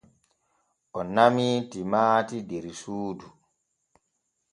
O namii timaati der suudu.